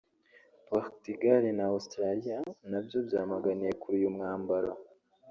Portugal na Australia nabyo byamaganiye kure uyu mwambaro